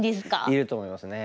いると思いますね。